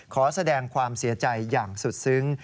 ขอแสดงความเสียใจอย่างสุดซึ้ง